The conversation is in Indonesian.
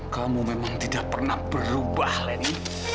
kamu memang tidak pernah berubah leni